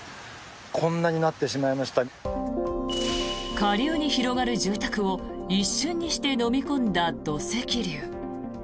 下流に広がる住宅を一瞬にしてのみ込んだ土石流。